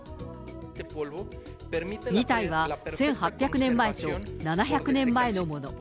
２体は１８００年前と７００年前のもの。